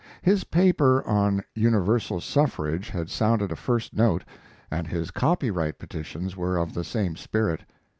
His paper on "Universal Suffrage" had sounded a first note, and his copyright petitions were of the same spirit.